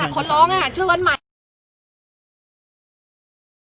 ขอร้องค่ะช่วยวัดใหม่